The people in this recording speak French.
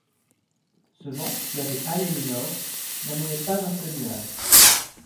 Ce vent, qui avait halé le nord, n’amenait pas un seul nuage.